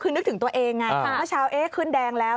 คือนึกถึงตัวเองไงเมื่อเช้าเอ๊ะขึ้นแดงแล้ว